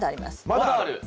まだある！